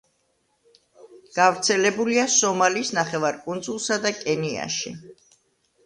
გვარცელებულია სომალის ნახევარკუნძულსა და კენიაში.